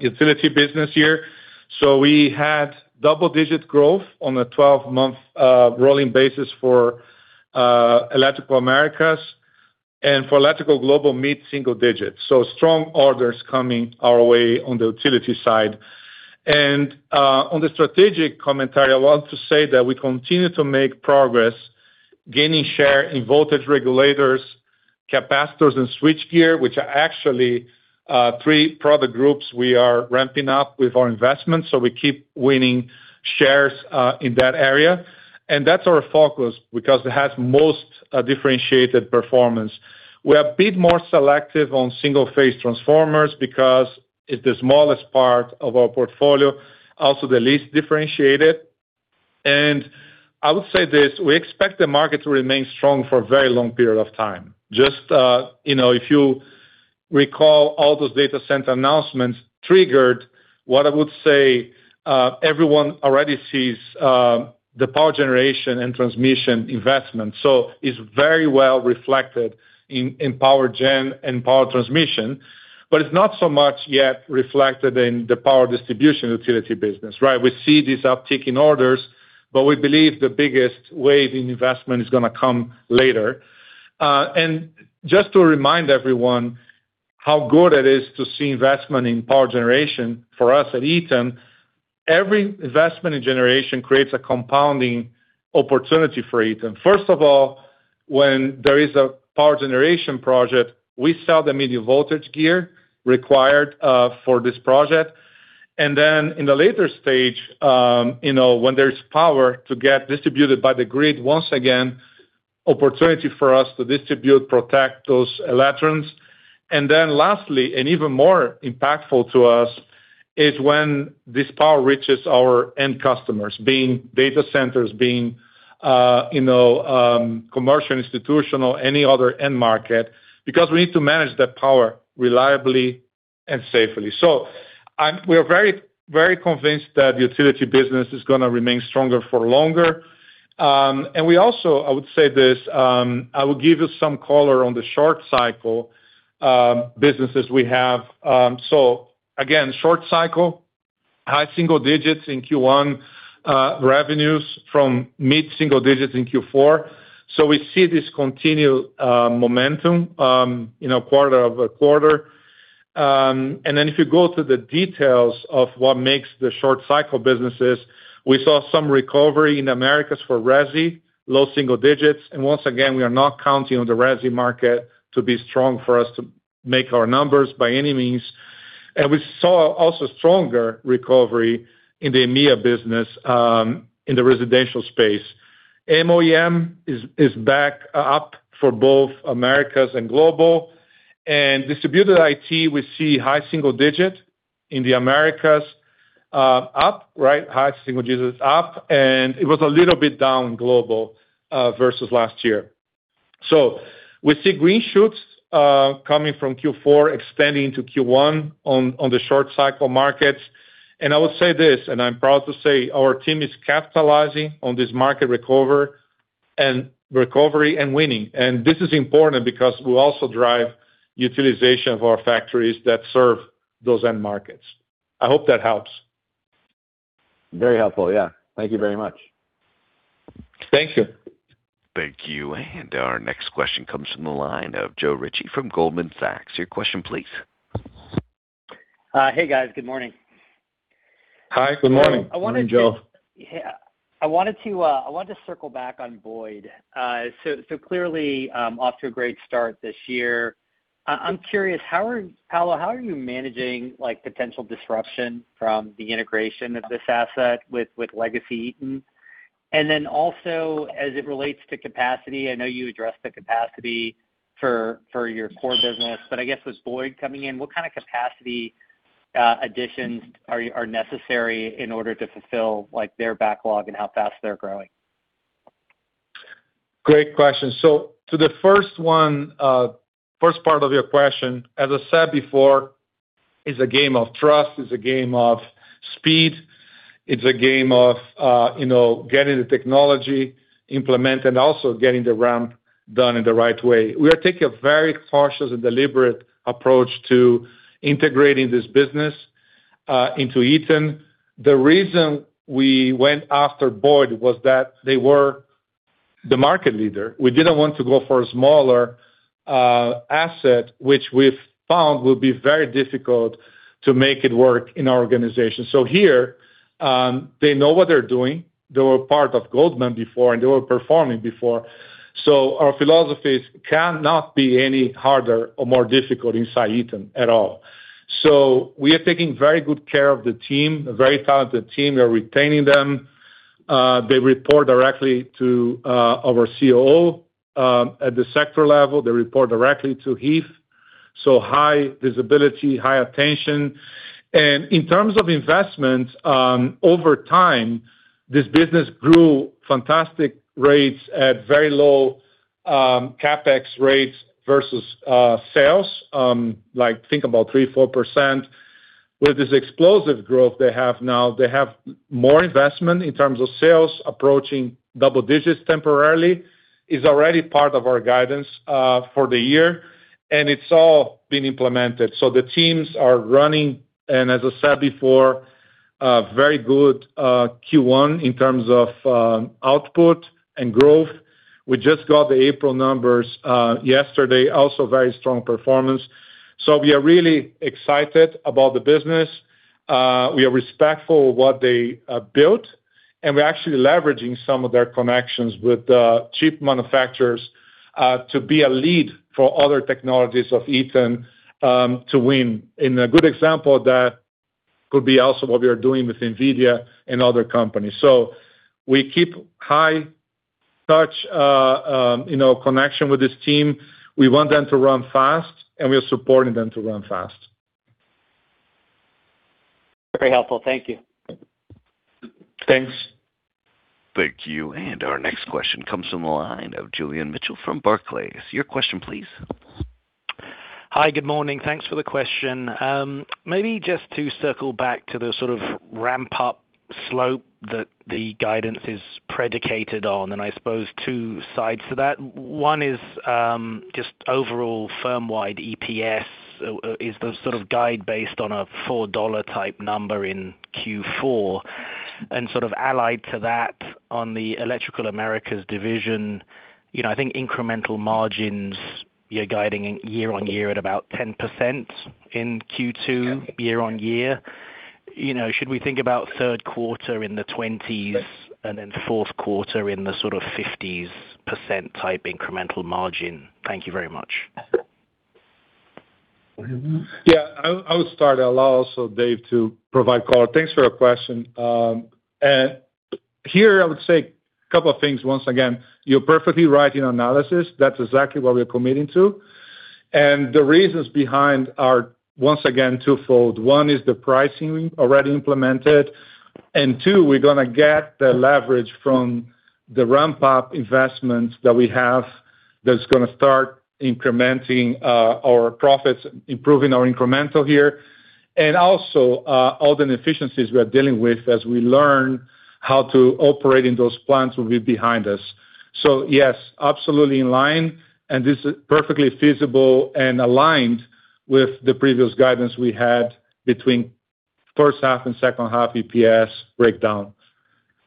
utility business here. We had double-digit growth on a 12-month rolling basis for Electrical Americas, and for Electrical Global, mid-single-digits. Strong orders coming our way on the utility side. On the strategic commentary, I want to say that we continue to make progress gaining share in voltage regulators, capacitors and switchgear, which are actually three product groups we are ramping up with our investments, so we keep winning shares in that area. That's our focus because it has most differentiated performance. We are a bit more selective on single-phase transformers because it's the smallest part of our portfolio, also the least differentiated. I would say this, we expect the market to remain strong for a very long period of time. Just, you know, if you recall all those data center announcements triggered what I would say, everyone already sees, the power generation and transmission investment. It's very well reflected in power gen and power transmission, but it's not so much yet reflected in the power distribution utility business, right? Just to remind everyone how good it is to see investment in power generation for us at Eaton, every investment in generation creates a compounding opportunity for Eaton. First of all, when there is a power generation project, we sell the medium voltage gear required for this project. Then in the later stage, you know, when there's power to get distributed by the grid, once again, opportunity for us to distribute, protect those electrons. Then lastly, and even more impactful to us, is when this power reaches our end customers, being data centers, being, you know, commercial, institutional, any other end market, because we need to manage that power reliably and safely. We are very, very convinced that utility business is going to remain stronger for longer. We also, I would say this, I will give you some color on the short cycle businesses we have. Again, short cycle, high single digits in Q1, revenues from mid-single digits in Q4. We see this continued momentum quarter-over-quarter. If you go to the details of what makes the short cycle businesses, we saw some recovery in Americas for Resi, low single digits. Once again, we are not counting on the Resi market to be strong for us to make our numbers by any means. We saw also stronger recovery in the EMEA business in the residential space. MOM is back up for both Americas and global. Distributed IT, we see high single digit in the Americas up. High single digits up, it was a little bit down global versus last year. We see green shoots coming from Q4 extending to Q1 on the short cycle markets. I will say this, I'm proud to say our team is capitalizing on this market recovery and winning. This is important because we also drive utilization of our factories that serve those end markets. I hope that helps. Very helpful. Yeah. Thank you very much. Thank you. Thank you. Our next question comes from the line of Joe Ritchie from Goldman Sachs. Your question please. Hey, guys. Good morning. Hi. Good morning. Morning, Joe. Yeah, I wanted to circle back on Boyd. Clearly, off to a great start this year. I'm curious, Paulo, how are you managing, like, potential disruption from the integration of this asset with legacy Eaton? Also, as it relates to capacity, I know you addressed the capacity for your core business, but I guess with Boyd coming in, what kind of capacity additions are necessary in order to fulfill, like, their backlog and how fast they're growing? Great question. To the first one, first part of your question, as I said before, it's a game of trust, it's a game of speed, it's a game of, you know, getting the technology implemented and also getting the ramp done in the right way. We are taking a very cautious and deliberate approach to integrating this business into Eaton. The reason we went after Boyd was that they were the market leader. We didn't want to go for a smaller asset, which we've found will be very difficult to make it work in our organization. Here, they know what they're doing. They were part of Goldman before, and they were performing before. Our philosophies cannot be any harder or more difficult inside Eaton at all. We are taking very good care of the team, a very talented team. We are retaining them. They report directly to our COO at the sector level. They report directly to Heath, so high visibility, high attention. In terms of investment, over time, this business grew fantastic rates at very low CapEx rates versus sales, like think about 3%, 4%. With this explosive growth they have now, they have more investment in terms of sales approaching double digits temporarily. It's already part of our guidance for the year, and it's all been implemented. The teams are running, and as I said before, a very good Q1 in terms of output and growth. We just got the April numbers yesterday, also very strong performance. We are really excited about the business. We are respectful of what they built, and we're actually leveraging some of their connections with the chip manufacturers to be a lead for other technologies of Eaton to win. A good example of that could be also what we are doing with NVIDIA and other companies. We keep high touch, you know, connection with this team. We want them to run fast, and we are supporting them to run fast. Very helpful. Thank you. Thanks. Thank you. Our next question comes from the line of Julian Mitchell from Barclays. Your question, please. Hi, good morning. Thanks for the question. Maybe just to circle back to the sort of ramp-up slope that the guidance is predicated on, and I suppose two sides to that. One is, just overall firm-wide EPS is the sort of guide based on a $4-type number in Q4. Allied to that, on the Electrical Americas division, I think incremental margins, you're guiding year-on-year at about 10% in Q2 year-on-year. Should we think about third quarter in the 20% and then fourth quarter in the sort of 50% type incremental margin? Thank you very much. I'll start. Allow also Dave to provide color. Thanks for your question. Here I would say a couple of things. Once again, you're perfectly right in your analysis. That's exactly what we're committing to. The reasons behind are, once again, twofold. One is the pricing we've already implemented, and two, we're gonna get the leverage from the ramp-up investments that we have that's gonna start incrementing our profits, improving our incremental here. Also, all the inefficiencies we are dealing with as we learn how to operate in those plants will be behind us. Yes, absolutely in line, and this is perfectly feasible and aligned with the previous guidance we had between first half and second half EPS breakdown.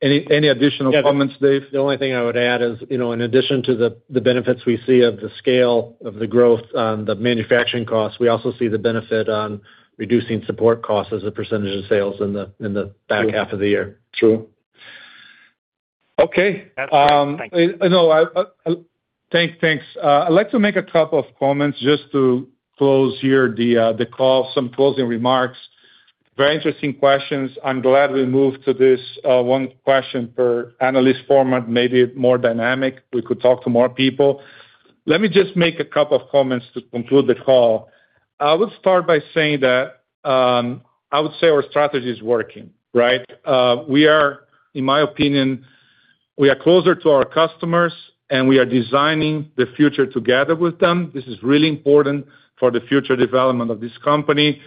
Any additional comments, Dave? The only thing I would add is, you know, in addition to the benefits we see of the scale of the growth on the manufacturing costs, we also see the benefit on reducing support costs as a percentage of sales in the back half of the year. True. Okay. That's great. Thank you. No, thanks. I'd like to make a couple of comments just to close here the call, some closing remarks. Very interesting questions. I'm glad we moved to this one question per analyst format, made it more dynamic. We could talk to more people. Let me just make a couple of comments to conclude the call. I would start by saying that I would say our strategy is working, right? We are, in my opinion, we are closer to our customers, and we are designing the future together with them. This is really important for the future development of this company.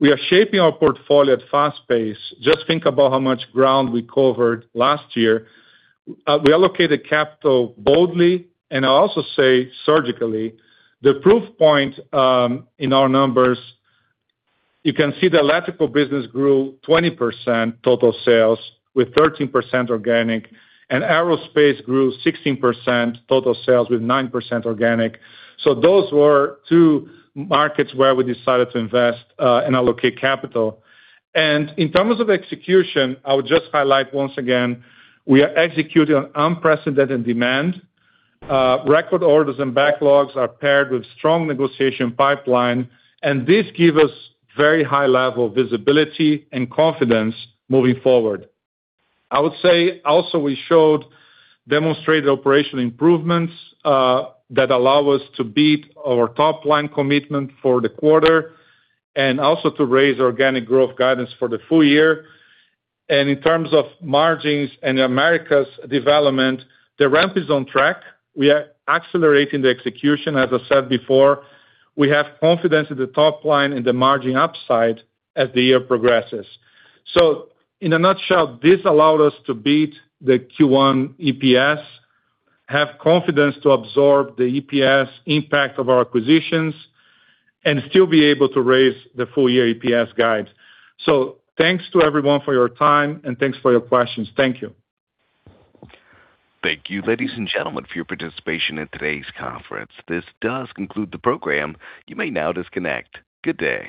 We are shaping our portfolio at fast pace. Just think about how much ground we covered last year. We allocated capital boldly, and I also say surgically. The proof point, in our numbers, you can see the Electrical business grew 20% total sales with 13% organic. Aerospace grew 16% total sales with 9% organic. Those were two markets where we decided to invest and allocate capital. In terms of execution, I would just highlight once again, we are executing on unprecedented demand. Record orders and backlogs are paired with strong negotiation pipeline, and this give us very high level of visibility and confidence moving forward. I would say also we showed demonstrated operational improvements that allow us to beat our top line commitment for the quarter, also to raise organic growth guidance for the full year. In terms of margins and the Americas development, the ramp is on track. We are accelerating the execution, as I said before. We have confidence in the top line and the margin upside as the year progresses. In a nutshell, this allowed us to beat the Q1 EPS, have confidence to absorb the EPS impact of our acquisitions, and still be able to raise the full-year EPS guides. Thanks to everyone for your time, and thanks for your questions. Thank you. Thank you, ladies and gentlemen, for your participation in today's conference. This does conclude the program. You may now disconnect. Good day.